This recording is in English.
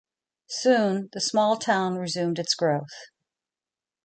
Soon, the small town resumed its growth.